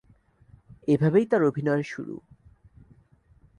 এভাবেই তার অভিনয়ের শুরু।